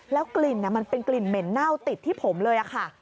กลิ่นมันเป็นกลิ่นเหม็นเน่าติดที่ผมเลยค่ะ